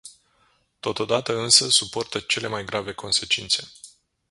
Totodată, însă, suportă cele mai grave consecințe.